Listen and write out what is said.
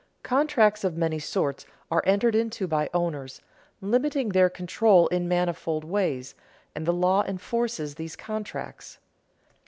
Contracts of many sorts are entered into by owners, limiting their control in manifold ways, and the law enforces these contracts.